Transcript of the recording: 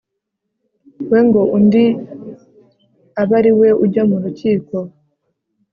we ngo undi abe ari we ujya mu rukiko